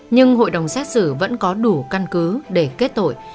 nhưng hội đồng xét xử vẫn có đủ căn cứ để kết tội